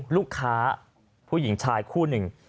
ลูกค้าผู้หญิงชายคู่หนึ่ง